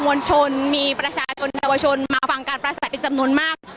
มวลชนมีประชาชนเยาวชนมาฟังการปราศัยเป็นจำนวนมาก